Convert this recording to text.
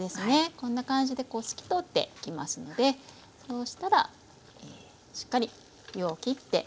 こんな感じで透き通ってきますのでそうしたらしっかり湯をきって下さい。